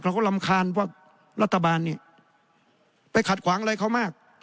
เราก็รำคาญว่ารัฐบาลเนี่ยไปขัดขวางอะไรเขามาก